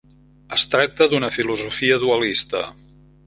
Es tracta d'una filosofia dualista.